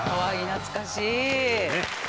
懐かしい。